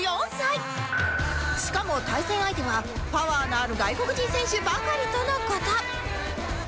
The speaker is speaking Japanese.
しかも対戦相手はパワーのある外国人選手ばかりとの事